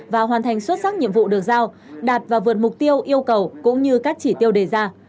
và hoàn thành xuất sắc nhiệm vụ được giao đạt và vượt mục tiêu yêu cầu cũng như các chỉ tiêu đề ra